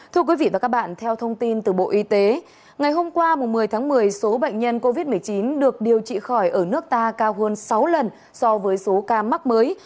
thưa quý vị và các bạn theo thông tin từ bộ y tế ngày hôm qua một mươi tháng một mươi số bệnh nhân covid một mươi chín được điều trị khỏi ở nước ta cao hơn sáu lần so với số ca mắc mới